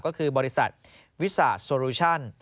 ก็คือบริษัทวิสาโซรูชั่น